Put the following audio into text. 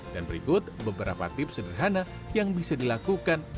dan berikut beberapa tips sederhana yang bisa dilakukan untuk menurut saya